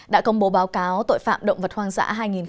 đã công bố báo cáo tội phạm động vật hoang dã hai nghìn hai mươi